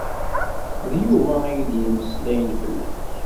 D Yuba i iyi-d-yemmeslayen fell-ak.